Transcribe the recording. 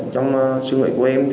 trong suy nghĩ của em